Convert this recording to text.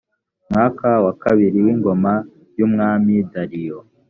mwaka wa kabiri w ingoma y umwami dariyo